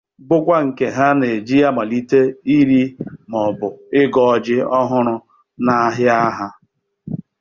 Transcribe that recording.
bụkwa nke ha na-eji amalite ire maọbụ igo ji ọhụrụ n'ahịa ha